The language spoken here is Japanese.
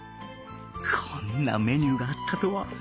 こんなメニューがあったとは